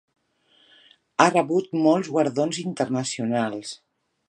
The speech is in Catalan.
Ha rebut molts guardons internacionals.